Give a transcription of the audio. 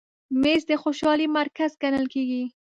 مېز د خوشحالۍ مرکز ګڼل کېږي.